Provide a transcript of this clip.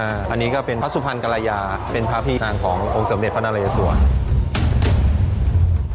อันนี้ก็เป็นพระสุพรรณกรยาเป็นพระพิการขององค์สมเด็จพระนารัยสวรรค์